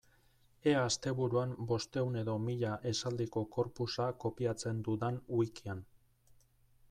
Ea asteburuan bostehun edo mila esaldiko corpusa kopiatzen dudan wikian.